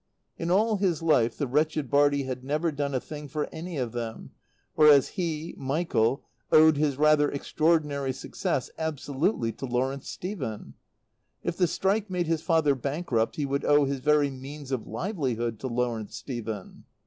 In all his life the wretched Bartie had never done a thing for any of them, whereas he, Michael, owed his rather extraordinary success absolutely to Lawrence Stephen. If the strike made his father bankrupt he would owe his very means of livelihood to Lawrence Stephen.